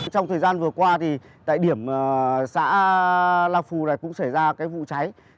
trong thời gian vừa qua tại điểm xã la phù cũng xảy ra vụ cháy